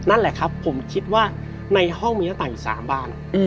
นั่นแหละครับผมคิดว่าในห้องมีหน้าต่างอยู่๓บ้าน